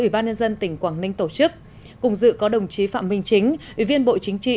ủy ban nhân dân tỉnh quảng ninh tổ chức cùng dự có đồng chí phạm minh chính ủy viên bộ chính trị